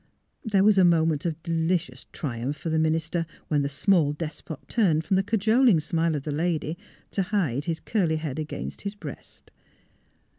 There was a moment of delicious triumph for the minister, when the small despot turned from the cajoling smile of the lady to hide his curly head against his breast.